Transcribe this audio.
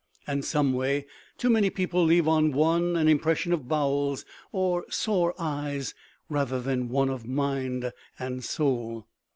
And, someway, too many people leave on one an impression of bowels or sore eyes rather than one of mind and soul.